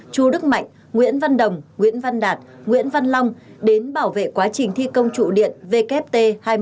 chu đức mạnh nguyễn văn đồng nguyễn văn đạt nguyễn văn long đến bảo vệ quá trình thi công trụ điện vkft hai mươi tám